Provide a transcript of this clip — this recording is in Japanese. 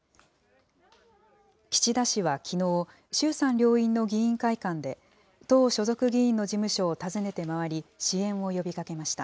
岸田氏はきのう、衆参両院の議員会館で、党所属議員の事務所を訪ねて回り、支援を呼びかけました。